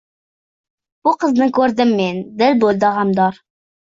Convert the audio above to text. Bir qizni ko’rdim men, dil bo’ldi g’amdor.